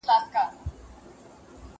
چي له چا به مولوي وي اورېدلې